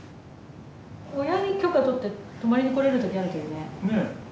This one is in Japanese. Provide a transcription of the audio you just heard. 親に許可取って泊まりに来れる時あるといいね。